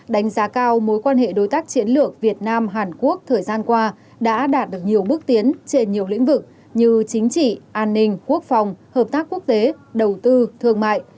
đánh giá cao mối quan hệ đối tác chiến lược việt nam hàn quốc thời gian qua đã đạt được nhiều bước tiến trên nhiều lĩnh vực như chính trị an ninh quốc phòng hợp tác quốc tế đầu tư thương mại